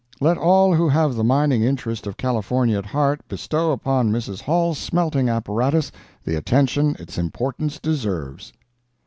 Let all who have the mining interest of California at heart, bestow upon Mrs. Hall's smelting apparatus the attention its importance deserves.